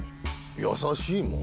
優しいもん！